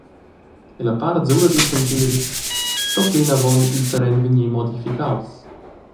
Ella part sura dil santeri sto plinavon il terren vegnir modificaus.